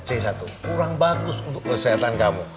c satu kurang bagus untuk kesehatan kamu